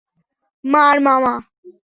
মার, মামা।